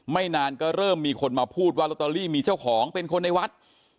ไม่นานก็เริ่มมีคนมาพูดว่าลอตเตอรี่มีเจ้าของเป็นคนในวัด